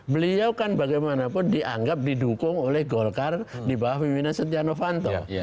beliau kan bagaimanapun dianggap didukung oleh golkar di bawah pimpinan setia novanto